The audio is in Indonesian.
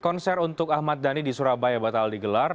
konser untuk ahmad dhani di surabaya batal digelar